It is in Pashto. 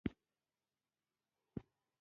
رسوب د افغانستان په طبیعت کې یو مهم رول لري.